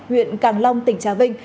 huyện càng long tỉnh trà vinh